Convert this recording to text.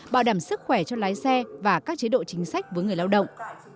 bảo đảm sức khỏe cho lái xe và các chế độ chính sách với người lao động